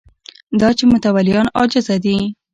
دا چې متولیان عاجزه دي